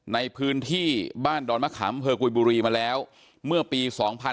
ในพื้นที่บ้านดอนมะขามเภอกุยบุรีมาแล้วเมื่อปี๒๕๕๙